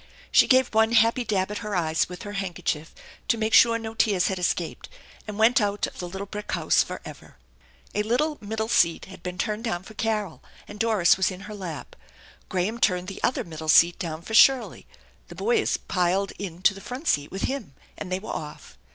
She gave one happy dab at her eyes with her handkerchief to make sure no tears had escaped, and went out of the little brick house forever. A little middle seat had been turned down for Carol, and Doris was in her lap. Graham turned the other middle seat down for Shirley; the boys piled into the front seat with him; and they were off.